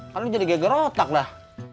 kan lu jadi geger otak lah